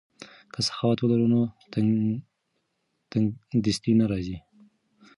که سخاوت ولرو نو تنګسي نه راځي.